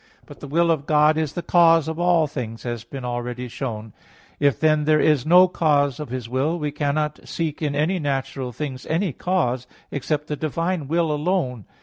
But the will of God is the cause of all things, as has been already shown (A. 4). If, then, there is no cause of His will, we cannot seek in any natural things any cause, except the divine will alone.